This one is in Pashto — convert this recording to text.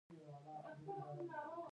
غشی یو ډیر مهم او لوی اختراع و.